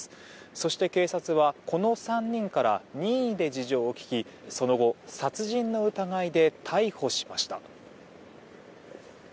そして警察はこの３人から任意で事情を聴きその後、殺人の疑いで逮捕しました。